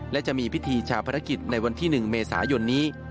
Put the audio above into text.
และจะมีพิธีชาวภารกิจในวันที่๑เมษายนนี้